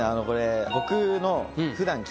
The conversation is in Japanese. これ僕の。